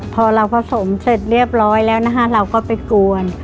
พอเราผสมเสร็จเรียบร้อยแล้วนะคะเราก็ไปกวน